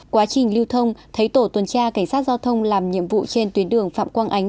quá trình lưu thông thấy tổ tuần tra cảnh sát giao thông làm nhiệm vụ trên tuyến đường phạm quang ánh